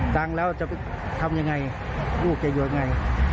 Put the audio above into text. ตังค์แล้วจะไปทำยังไงลูกจะอยู่ยังไง